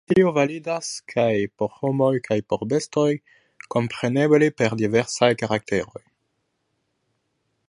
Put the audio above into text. Tio validas kaj por homoj kaj por bestoj, kompreneble per diversaj karakteroj.